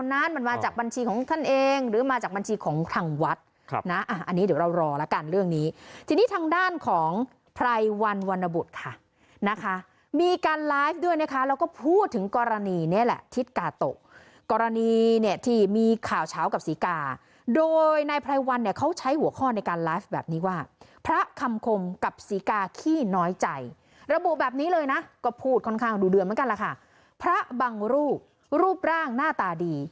สีกาคนนั้นมันมาจากบัญชีของท่านเองหรือมาจากบัญชีของทางวัดนะอันนี้เดี๋ยวเรารอแล้วกันเรื่องนี้ทีนี้ทางด้านของพรายวรรณบุตรค่ะนะคะมีการไลฟ์ด้วยนะคะแล้วก็พูดถึงกรณีนี้แหละทิศกาโตกรณีเนี่ยที่มีข่าวเฉากับสีกาโดยในพรายวรรณเนี่ยเขาใช้หัวข้อในการไลฟ์แบบนี้ว่าพระคำคมกับสีกาขี้น้อยใ